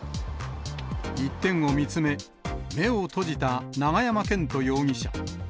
一点を見つめ、目を閉じた永山絢斗容疑者。